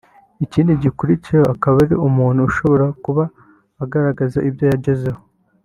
Ikindi gikurikiyeho akaba ari umuntu ushobora kuba agaragaza ibyo yagezeho